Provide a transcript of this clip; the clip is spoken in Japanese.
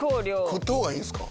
食った方がいいんすか？